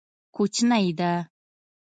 کوچنی ده.